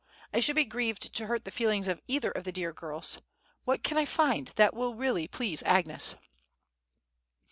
I should be grieved to hurt the feelings of either of the dear girls; what can I find that will really please Agnes?"